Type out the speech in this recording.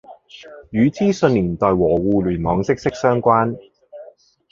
與資訊年代和互聯網息息相關